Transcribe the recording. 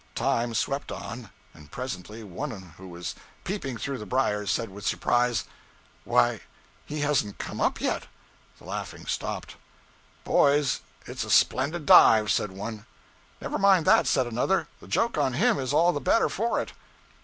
Time swept on, and presently one who was peeping through the briers, said, with surprise 'Why, he hasn't come up, yet!' The laughing stopped. 'Boys, it 's a splendid dive,' said one. 'Never mind that,' said another, 'the joke on him is all the better for it.'